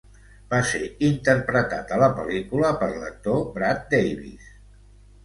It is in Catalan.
Va ser interpretat a la pel·lícula per l'actor Brad Davis.